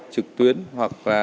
trực tuyến hoặc là